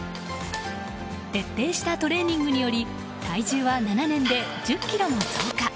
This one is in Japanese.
徹底したトレーニングにより体重は７年で１０ｋｇも増加。